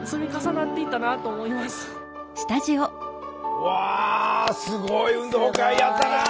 うわすごい運動会やったなあ。